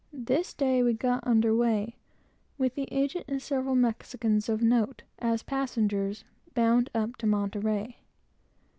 This day we got under weigh, with the agent and several Spaniards of note, as passengers, bound up to Monterey.